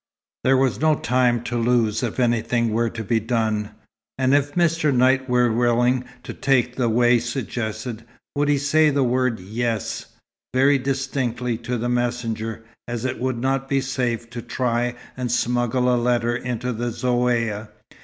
There was no time to lose if anything were to be done; and if Mr. Knight were willing to take the way suggested, would he say the word "yes," very distinctly, to the messenger, as it would not be safe to try and smuggle a letter into the Zaouïa.